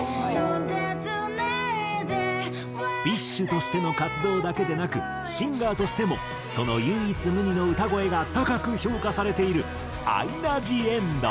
ＢｉＳＨとしての活動だけでなくシンガーとしてもその唯一無二の歌声が高く評価されているアイナ・ジ・エンド。